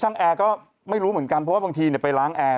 แอร์ก็ไม่รู้เหมือนกันเพราะว่าบางทีไปล้างแอร์